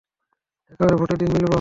একবারে ভোটের দিন মিলবো।